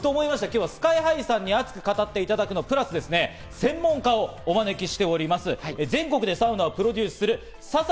今日はＳＫＹ−ＨＩさんに熱く語っていただくのプラス専門家をお招きしております。